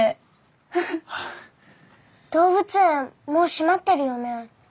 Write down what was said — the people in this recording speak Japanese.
動物園もう閉まってるよね？